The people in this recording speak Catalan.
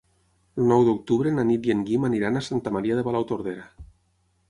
El nou d'octubre na Nit i en Guim aniran a Santa Maria de Palautordera.